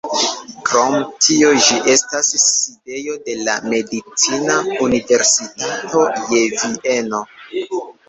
Krom tio ĝi estas sidejo de la medicina universitato je Vieno.